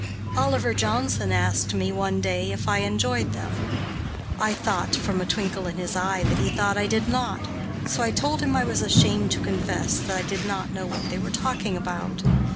Oliver Johnson asked me, one day, if I enjoyed them. I thought, from a twinkle in his eye, that he thought I did not, so I told him I was ashamed to confess that I did not know what they were talking about.